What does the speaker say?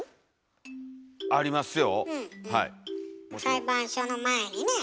裁判所の前にね